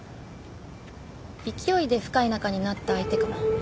勢いで深い仲になった相手かも。